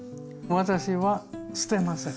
私は捨てません。